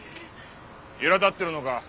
いら立ってるのか？